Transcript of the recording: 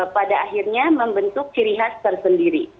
pada akhirnya membentuk ciri khas tersendiri